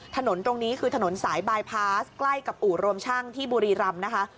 ถนนตรงนี้คือถนนสายบายพาสใกล้กับอู่รวมช่างที่บุรีรำนะคะ